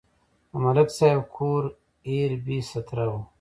د ملک صاحب کور ایر بېستره و.